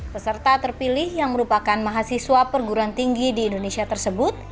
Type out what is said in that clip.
peserta terpilih yang merupakan mahasiswa perguruan tinggi di indonesia tersebut